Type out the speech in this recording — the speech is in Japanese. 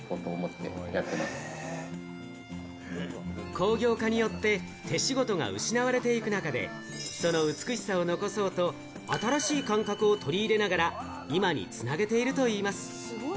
工業化によって手仕事が失われていく中で、その美しさを残そうと、新しい感覚を取り入れながら、今につなげているといいます。